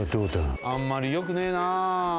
あんまりよくねえな。